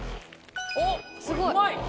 おっうまい。